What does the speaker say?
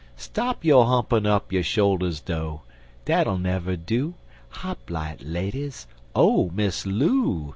Stop yo' humpin' up yo' sho'lders do! Dat'll never do! Hop light, ladies, Oh, Miss Loo!